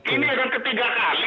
ini adalah ketiga kali